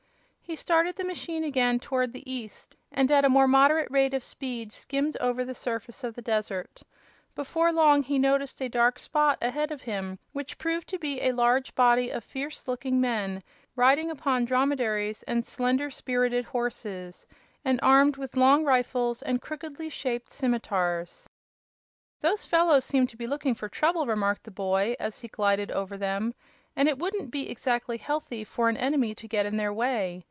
He started the machine again towards the east, and at a more moderate rate of speed skimmed over the surface of the desert. Before long he noticed a dark spot ahead of him which proved to be a large body of fierce looking men, riding upon dromedaries and slender, spirited horses and armed with long rifles and crookedly shaped simitars. "Those fellows seem to be looking for trouble," remarked the boy, as he glided over them, "and it wouldn't be exactly healthy for an enemy to get in their way.